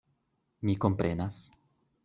Mi komprenas.